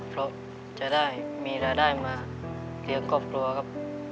เพราะจะได้มีรายได้มาเลี้ยงครอบครัวครับ